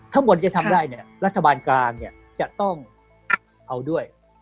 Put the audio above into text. ข้างบนจะทำได้เนี่ยรัฐบาลกลางเนี่ยจะต้องเอาด้วย